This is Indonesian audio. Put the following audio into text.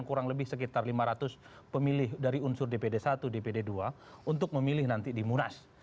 apakah bung adi bisa menyakinkan kurang lebih sekitar lima ratus pemilih dari unsur dpd i dpd ii untuk memilih nanti di munas